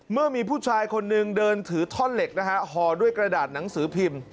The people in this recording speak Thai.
เมื่อมีผู้ชายคนหนึ่งเดินถือท่อนเหล็กนะฮะห่อด้วยกระดาษหนังสือพิมพ์